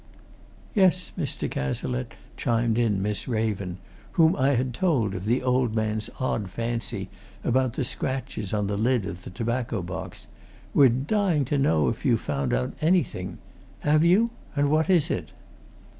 "Yes, Mr. Cazalette," chimed in Miss Raven, whom I had told of the old man's odd fancy about the scratches on the lid of the tobacco box. "We're dying to know if you've found out anything. Have you and what is it?"